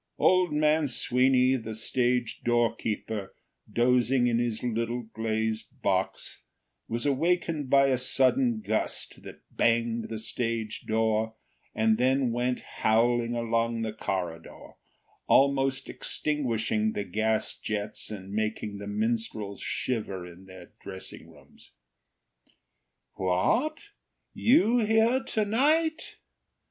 Old man Sweeny, the stage doorkeeper, dozing in his little glazed box, was awakened by a sudden gust that banged the stage door and then went howling along the corridor, almost extinguishing the gas jets and making the minstrels shiver in their dressing rooms. "What! You here to night!"